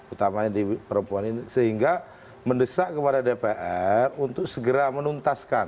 utamanya di perempuan ini sehingga mendesak kepada dpr untuk segera menuntaskan